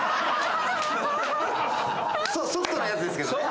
ソフトなやつですけどね。